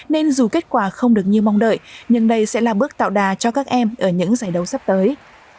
nên dù kết quả không được như mong đợi nhưng đây sẽ là bước tạo đà cho các em ở những giải đấu sắp tới